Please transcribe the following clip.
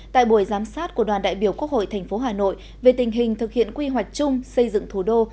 tại buổi giám sát của đoàn đại biểu quốc hội tp hà nội về tình hình thực hiện quy hoạch chung xây dựng thủ đô